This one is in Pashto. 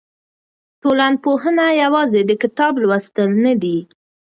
ټولنپوهنه یوازې د کتاب لوستل نه دي.